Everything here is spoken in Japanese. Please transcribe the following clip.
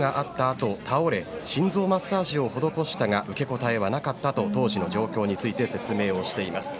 あと倒れ心臓マッサージを施したが受け答えはなかったと当時の状況について説明をしています。